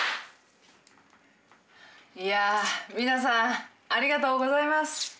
いや皆さんありがとうございます。